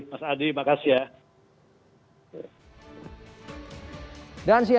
mas adi terima kasih ya